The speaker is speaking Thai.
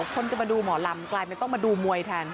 คนจะมาดูหมอรำกลายไม่ต้องมาดูมวยท่า